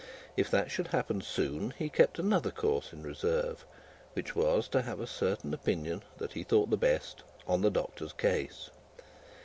If that should happen soon, he kept another course in reserve; which was, to have a certain opinion that he thought the best, on the Doctor's case.